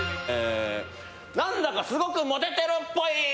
なんだかすごくモテてるっぽい。